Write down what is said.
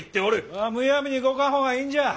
むやみに動かん方がいいんじゃ。